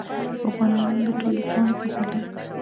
پخوانی رنګ، دتاندو پاڼو پسرلي